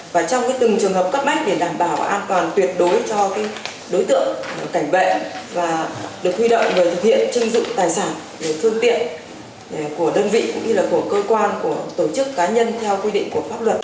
và trong từng trường hợp cấp mách để đảm bảo an toàn tuyệt đối cho đối tượng cảnh vệ và được quy động và thực hiện chứng dụng tài sản được phương tiện của đơn vị cũng như là của cơ quan tổ chức cá nhân theo quy định của pháp luật